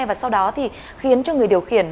và sau đó khiến cho người điều khiển